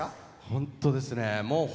本当ですね。